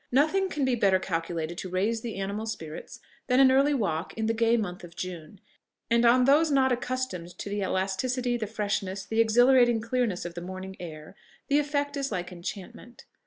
Nothing can be better calculated to raise the animal spirits than an early walk in the gay month of June; and on those not accustomed to the elasticity, the freshness, the exhilarating clearness of the morning air, the effect is like enchantment.